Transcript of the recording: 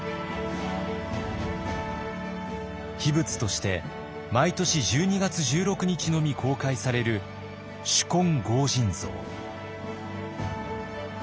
秘仏として毎年１２月１６日のみ公開される執金剛神像。